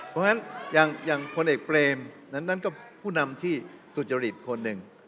เพราะฉะนั้นอย่างพลเอกเปรมนั้นก็ผู้นำที่สุจริตคนหนึ่ง